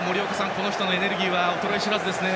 この人のエネルギーは衰え知らずですね。